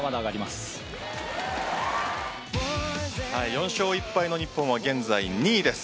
４勝１敗の日本は現在、２位です。